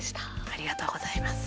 ありがとうございます。